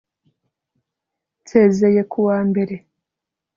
Nsezeye ku wa mbere